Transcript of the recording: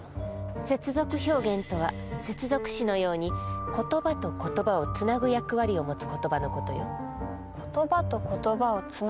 接続表現とは接続詞のようにことばとことばをつなぐ役割を持つことば。